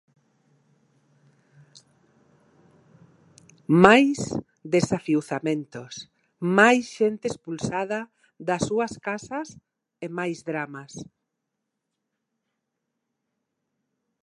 Máis desafiuzamentos, máis xente expulsada das súas casas e máis dramas.